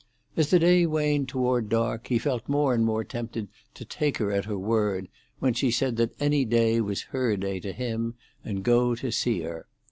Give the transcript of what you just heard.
As the day waned toward dark, he felt more and more tempted to take her at her word, when she had said that any day was her day to him, and go to see her.